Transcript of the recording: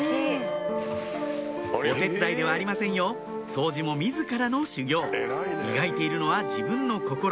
お手伝いではありませんよ掃除も自らの修行磨いているのは自分の心